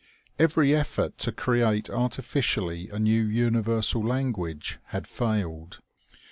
Every effort to create artificially a new universal language had failed.